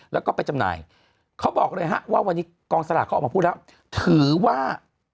แล้วก็ไปจำหน่ายเขาบอกเลยฮะว่าวันนี้กองสลากเขาออกมาพูดแล้วถือว่า